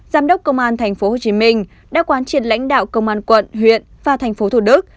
giám đốc công an tp hcm đã quan triệt lãnh đạo công an quận huyện và tp thủ đức